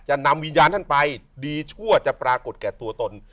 นำวิญญาณท่านไปดีชั่วจะปรากฏแก่ตัวตน